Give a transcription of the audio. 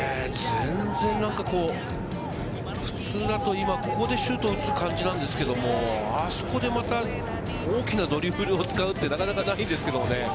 普通だと今ここでシュートを打つ感じなんですけれど、あそこでまた大きなドリブルを使うって、なかなかないですけれどね。